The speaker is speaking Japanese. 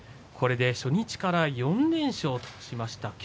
初日から４連勝としました。